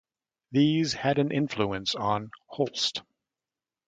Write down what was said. These had an influence on Holst.